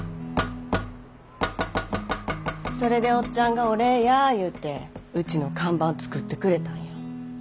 それでおっちゃんがお礼や言うてうちの看板作ってくれたんや。